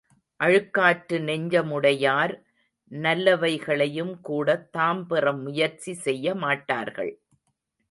அழுக்காற்று நெஞ்சமுடையார் நல்லவைகளையும் கூடத் தாம் பெற முயற்சி செய்ய மாட்டார்கள்.